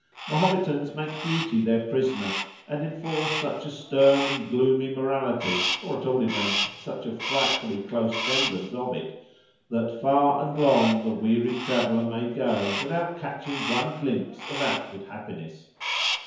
The Mahometans make beauty their prisoner, and enforce such a stern and gloomy morality, or at all events, such a frightfully close semblance of it, that far and long the wearied traveller may go without catching one glimpse of outward happiness.